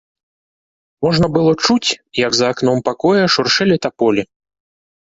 Можна было чуць, як за акном пакоя шуршэлі таполі.